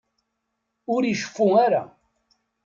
Ur iceffu ara.